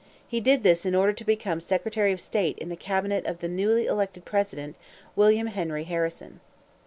He did this in order to become secretary of state in the cabinet of the newly elected president, William Henry Harrison.